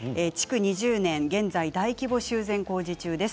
築２０年の現在大規模修繕工事中です。